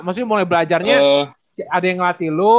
maksudnya mulai belajarnya ada yang ngelatih lu